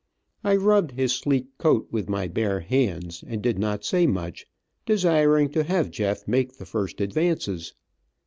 I rubbed his sleek coat with, my bare hands, and did not say much, desiring to have Jeff make the first advances.